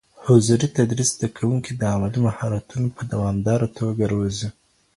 حضوري تدريس زده کوونکي د عملي مهارتونو په دوامداره توګه روزي.